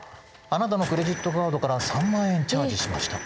『あなたのクレジットカードから５，０００円チャージしました』